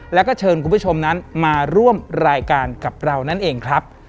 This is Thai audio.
แล้วก็เชิญคุณผู้ชมนั้นมาร่วมรายการกับเรานั่นเองครับ